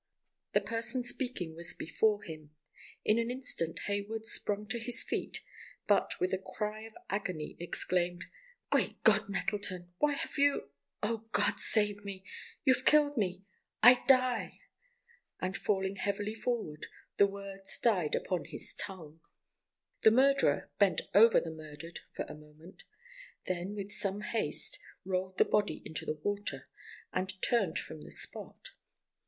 The person speaking was before him. In an instant Hayward sprung to his feet, but, with a cry of agony exclaimed: "Great God, Nettleton—why have you—oh God, save me—you've killed me—I die!" And, falling heavily forward, the words died upon his tongue. The murderer bent over the murdered for a moment; then, with some haste, rolled the body into the water, and turned from the spot.